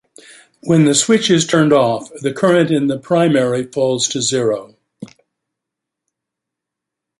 When the switch is turned off, the current in the primary falls to zero.